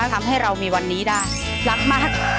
ทำให้เรามีวันนี้ได้รักมาก